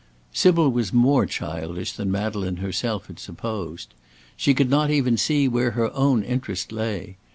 Sybil was more childish than Madeleine herself had supposed. She could not even see where her own interest lay.